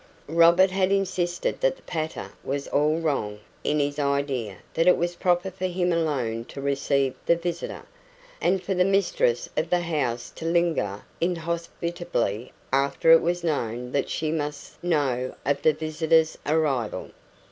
Robert had insisted that the pater was all wrong in his idea that it was proper for him alone to receive the visitor, and for the mistress of the house to linger inhospitably after it was known that she must know of the visitor's arrival.